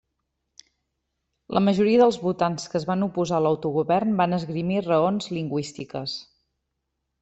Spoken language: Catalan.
La majoria dels votants que es van oposar a l'autogovern van esgrimir raons lingüístiques.